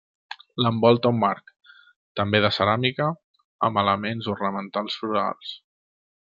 L'envolta un marc, també de ceràmica, amb elements ornamentals florals.